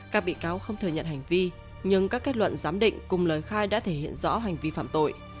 các bị cáo không thừa nhận hành vi nhưng các kết luận giám định cùng lời khai đã thể hiện rõ hành vi phạm tội